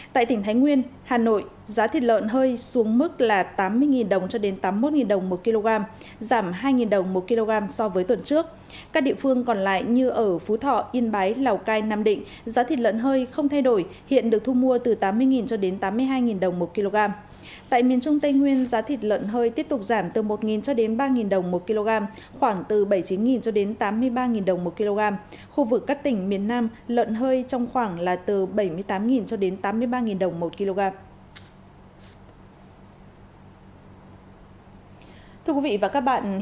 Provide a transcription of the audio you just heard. tại tỉnh thái nguyên hà nội giá thịt lợn hơi xuống mức tám mươi đồng cho đến tám mươi một đồng một kg giảm hai đồng một kg so với tuần trước